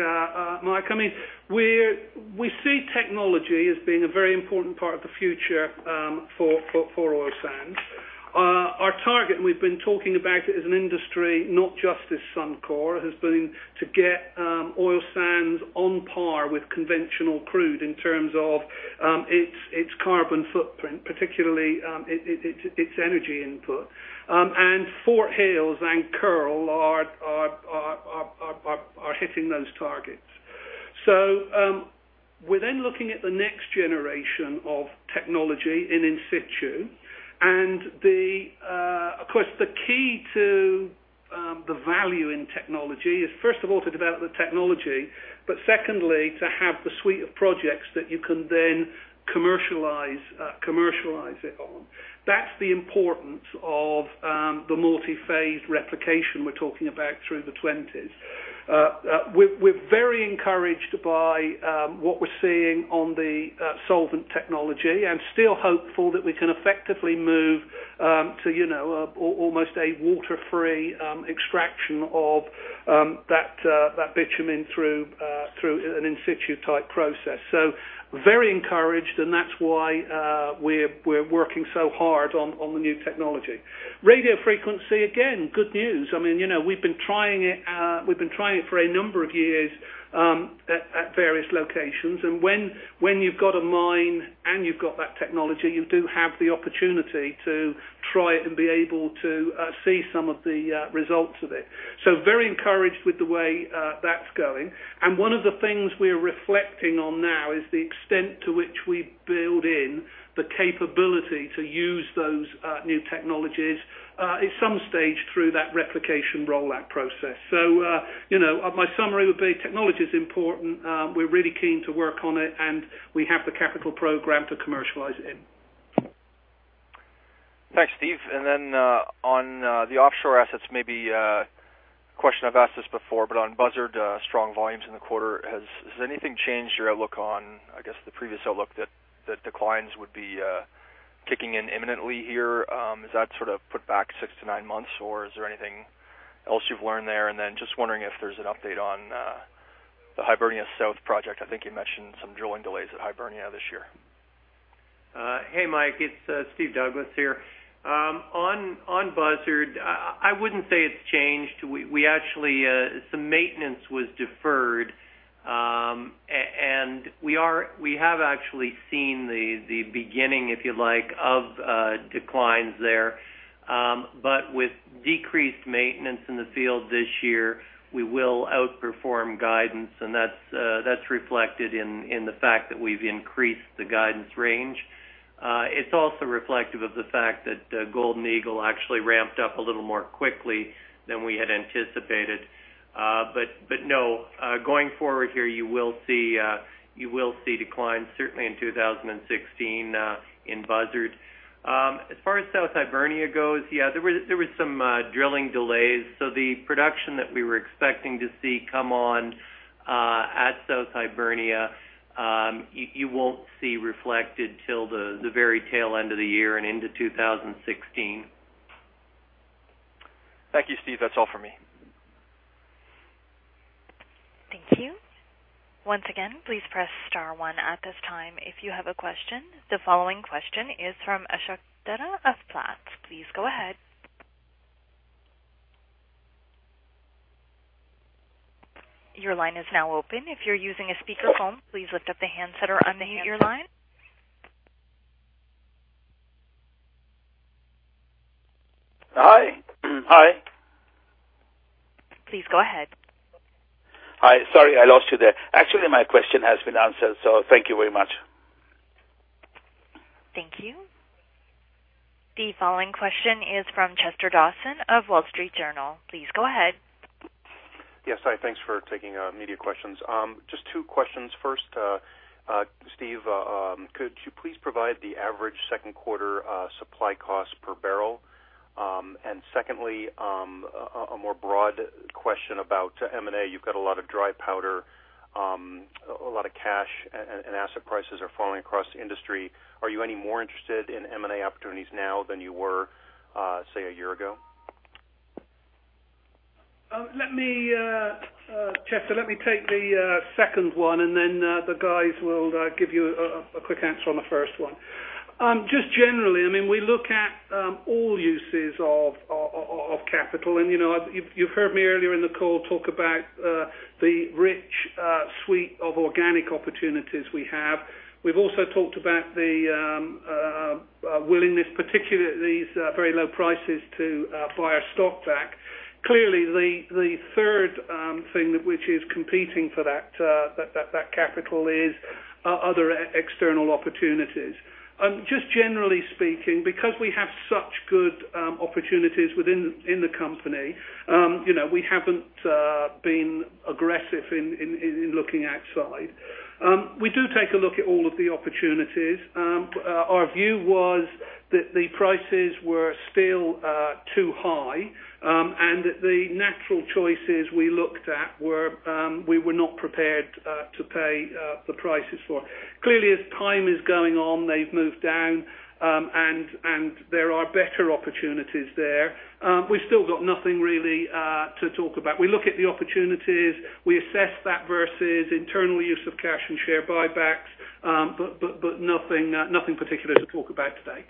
Mike. We see technology as being a very important part of the future for oil sands. Our target, and we've been talking about it as an industry, not just as Suncor, has been to get oil sands on par with conventional crude in terms of its carbon footprint, particularly its energy input. Fort Hills and Kearl are hitting those targets. We're then looking at the next generation of technology in in situ. Of course, the key to the value in technology is, first of all, to develop the technology, but secondly, to have the suite of projects that you can then commercialize it on. That's the importance of the multi-phase replication we're talking about through the '20s. We're very encouraged by what we're seeing on the solvent- technology. I'm still hopeful that we can effectively move to almost a water-free extraction of that bitumen through an in situ type process. Very encouraged, and that's why we're working so hard on the new technology. Radio frequency, again, good news. We've been trying it for a number of years at various locations. When you've got a mine and you've got that technology, you do have the opportunity to try it and be able to see some of the results of it. Very encouraged with the way that's going. One of the things we're reflecting on now is the extent to which we build in the capability to use those new technologies, at some stage through that replication rollout process. My summary would be technology's important. We're really keen to work on it, and we have the capital program to commercialize it in. Thanks, Steve. On the offshore assets maybe, question I've asked this before, on Buzzard, strong volumes in the quarter. Has anything changed your outlook on, I guess the previous outlook that declines would be kicking in imminently here? Has that sort of put back 6-9 months, or is there anything else you've learned there? Just wondering if there's an update on the Hibernia South project. I think you mentioned some drilling delays at Hibernia this year. Hey, Mike, it's Steve Douglas here. On Buzzard, I wouldn't say it's changed. Some maintenance was deferred. We have actually seen the beginning, if you like, of declines there. With decreased maintenance in the field this year, we will outperform guidance, and that's reflected in the fact that we've increased the guidance range. It's also reflective of the fact that Golden Eagle actually ramped up a little more quickly than we had anticipated. No, going forward here, you will see declines certainly in 2016, in Buzzard. As far as South Hibernia goes, yeah, there were some drilling delays. The production that we were expecting to see come on at South Hibernia, you won't see reflected till the very tail end of the year and into 2016. Thank you, Steve. That's all for me. Thank you. Once again, please press star one at this time if you have a question. The following question is from Ashok Dutta of Platts. Please go ahead. Your line is now open. If you're using a speakerphone, please lift up the handset or unmute your line. Hi. Please go ahead. Hi. Sorry, I lost you there. Actually, my question has been answered, so thank you very much. Thank you. The following question is from Chester Dawson of The Wall Street Journal. Please go ahead. Yes. Hi. Thanks for taking media questions. Just two questions. First, Steve, could you please provide the average second quarter supply cost per barrel? Secondly, a more broad question about M&A. You've got a lot of dry powder, a lot of cash, and asset prices are falling across the industry. Are you any more interested in M&A opportunities now than you were, say, a year ago? Chester, let me take the second one, then the guys will give you a quick answer on the first one. Generally, we look at all uses of capital, you've heard me earlier in the call talk about the rich suite of organic opportunities we have. We've also talked about the willingness, particularly at these very low prices, to buy our stock back. Clearly, the third thing which is competing for that capital is other external opportunities. Generally speaking, because we have such good opportunities within the company, we haven't been aggressive in looking outside. We do take a look at all of the opportunities. Our view was that the prices were still too high, the natural choices we looked at, we were not prepared to pay the prices for. Clearly, as time is going on, they've moved down, there are better opportunities there. We've still got nothing really to talk about. We look at the opportunities, we assess that versus internal use of cash and share buybacks. Nothing particular to talk about today.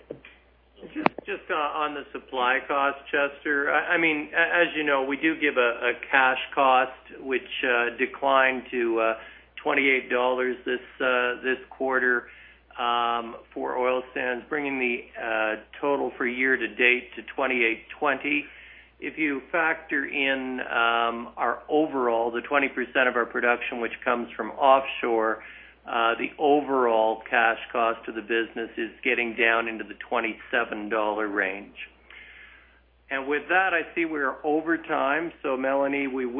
Just on the supply cost, Chester, as you know, we do give a cash cost, which declined to 28 dollars this quarter for oil sands, bringing the total for year to date to 28.20. If you factor in our overall, the 20% of our production which comes from offshore, the overall cash cost to the business is getting down into the 27 dollar range. With that, I see we are over time. Melanie, that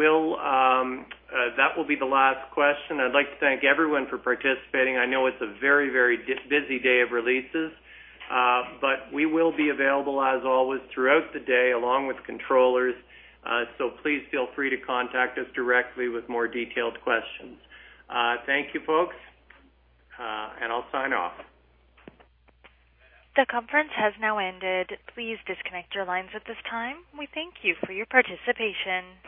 will be the last question. I'd like to thank everyone for participating. I know it's a very busy day of releases. We will be available, as always, throughout the day along with controllers. Please feel free to contact us directly with more detailed questions. Thank you, folks. I'll sign off. The conference has now ended. Please disconnect your lines at this time. We thank you for your participation.